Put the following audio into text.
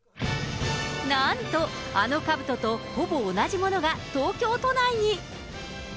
なんと、あのかぶととほぼ同じものが東京都内に。